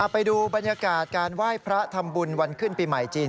ไปดูบรรยากาศการไหว้พระทำบุญวันขึ้นปีใหม่จีน